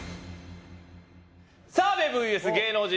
澤部ｖｓ芸能人